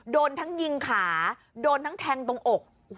โดนทั้งยิงขาโดนทั้งแทงตรงอก